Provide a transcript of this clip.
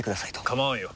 構わんよ。